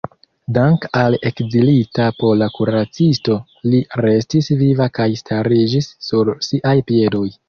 Dank‘ al ekzilita pola kuracisto li restis viva kaj stariĝis sur siaj piedoj.